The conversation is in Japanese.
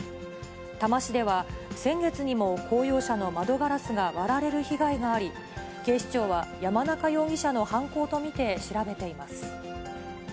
多摩市では、先月にも公用車の窓ガラスが割られる被害があり、警視庁は山中容疑者の犯行と見て調べています。